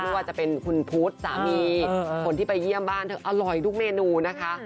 ไม่ว่าจะเป็นคุณพุทธสามีคนที่ไปเยี่ยมบ้านเธออร่อยทุกเมนูนะคะ